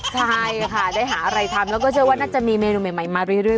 ใช่ค่ะได้หาอะไรทำแล้วก็เชื่อว่าน่าจะมีเมนูใหม่มาเรื่อย